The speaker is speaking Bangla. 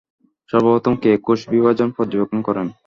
সর্বপ্রথম কে কোষ বিভাজন পর্যবেক্ষণ করেন?